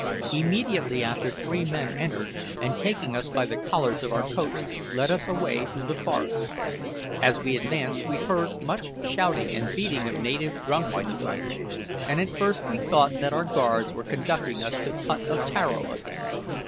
Immediately after three men entered, and taking us by the collars of our coats, led us away through the forest. As we advanced we heard much shouting and beating of native drums in the village, and at first we thought that our guards were conducting us to the hut of Tararo again.